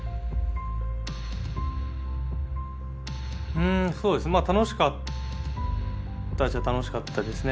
うんそうですね楽しかったっちゃ楽しかったですね。